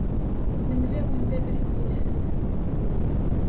Nemla-awen-d abrid yelhan.